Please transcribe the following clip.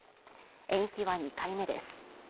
延期は２回目です。